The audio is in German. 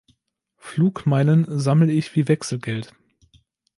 Flugmeilen sammel ich wie Wechselgeld.